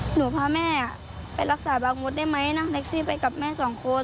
หนูพาแม่ไปรักษาบางมดได้ไหมนั่งแท็กซี่ไปกับแม่สองคน